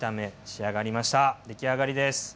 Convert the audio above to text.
出来上がりです。